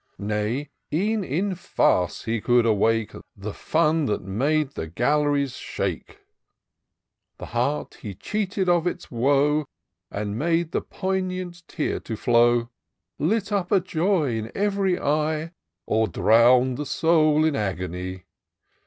Nay, e'en in Farce he could awake The fiin that made the gall'ries shake ; 300 TOUR OF DOCTOR SYNTAX The heart he cheated of its woe. And made the poignant tear to flow ; Lit up a joy in ev'ry eye, Or drown'd the soid in agony.